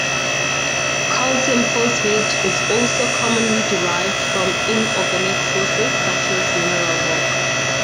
Calcium phosphate is also commonly derived from inorganic sources such as mineral rock.